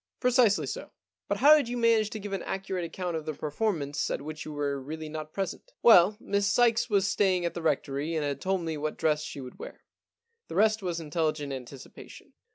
* Precisely so.' * But how did you manage to give an accurate account of the performance at which you were really not present ?'* Well, Miss Sykes was staying at the Rectory and had told me what dress she would wear. The rest was intelligent anticipation.